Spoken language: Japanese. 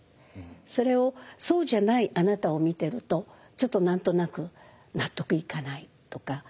それをそうじゃないあなたを見てるとちょっと何となく納得いかないとか。